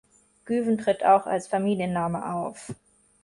Güven tritt auch als Familienname auf.